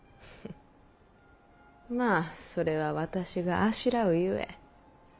まぁそれは私があしらうゆえ。